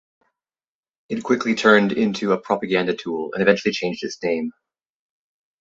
It quickly turned into a propaganda tool and eventually changed its name.